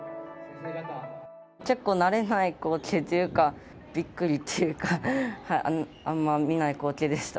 結構慣れない光景というか、びっくりっていうか、あんま見ない光景でした。